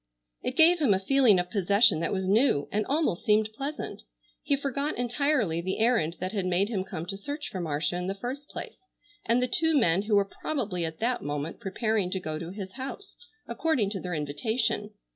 It gave him a feeling of possession that was new, and almost seemed pleasant. He forgot entirely the errand that had made him come to search for Marcia in the first place, and the two men who were probably at that moment preparing to go to his house according to their invitation.